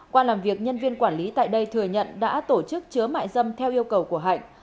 qua làm việc nhân viên quản lý tại đây thừa nhận đã tổ chức chứa mại dâm theo yêu cầu của hạnh